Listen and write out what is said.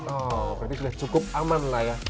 oh berarti sudah cukup aman lah ya